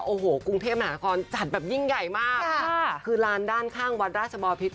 โอ้โหรหะไม่จัดแบบยิ่งใหญ่มากค่ะคงคือลานด้านข้างวัดราชบอลภิกษ์